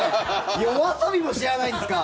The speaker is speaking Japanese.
ＹＯＡＳＯＢＩも知らないんですか？